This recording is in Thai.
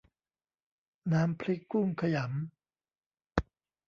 น้ำพริกกุ้งขยำ